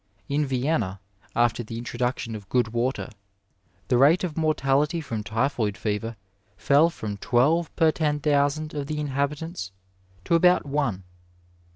In Vienna, after the introduction of good water, the rate of mortality from typhoid fever fell from twelve per ten thousand of the inhabitants to about one.